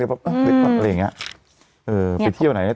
ไปเที่ยวไหนเนี่ย